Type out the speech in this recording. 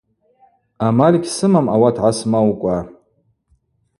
Амаль гьсымам, ауат гӏасмаукӏва.